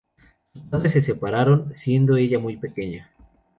Sus padres se separaron siendo ella muy pequeña.